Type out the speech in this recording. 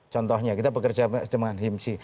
contohnya kita bekerja sama dengan himsy